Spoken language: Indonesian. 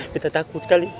beta takut sekali